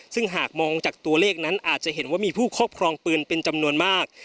ซึ่งหากมองจากตัวเลขนั้นอาจจะเห็นว่ามีผู้ครอบครองปืนเป็นจำนวนมาก